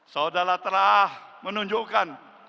saudara saudara telah menunjukkan